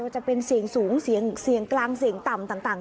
จะเป็นเสียงสูงเสี่ยงกลางเสี่ยงต่ำต่าง